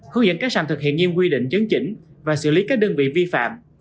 hướng dẫn các sàn thực hiện nghiêm quy định chấn chỉnh và xử lý các đơn vị vi phạm